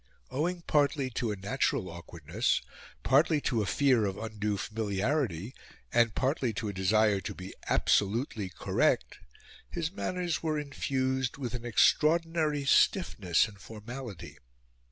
Owing partly to a natural awkwardness, partly to a fear of undue familiarity, and partly to a desire to be absolutely correct, his manners were infused with an extraordinary stiffness and formality.